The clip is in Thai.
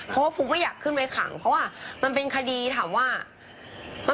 เพราะฟุ๊กก็อยากขึ้นไปขังเพราะว่ามันเป็นคดีแค่บุหรี่ไฟฟ้า